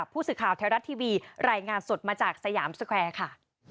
ผู้สื่อข่าวไทยรัฐทีวีรายงานสดมาจากสยามสแควร์ค่ะ